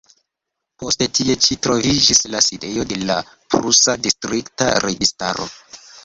Poste tie ĉi troviĝis la sidejo de la prusa distrikta registaro.